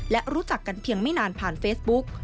และรู้จักกันเพียงไม่นานผ่านเฟซบุ๊ก